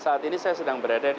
saat ini saya sedang berada di